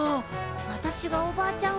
私がおばあちゃん